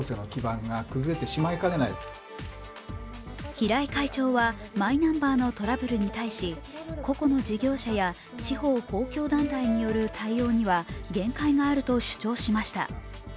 平井会長はマイナンバーのトラブルに対し個々の事業者や地方公共団体による対応には限界があると主張しました。